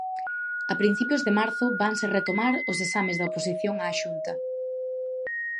A principios de marzo vanse retomar os exames de oposición á Xunta.